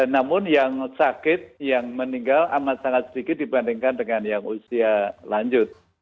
namun yang sakit yang meninggal amat sangat sedikit dibandingkan dengan yang usia lanjut